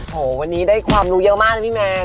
โหวันนี้ได้ความรู้เยอะมากนะพี่แมน